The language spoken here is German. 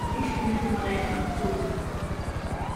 Ich stimme dem Redner zu.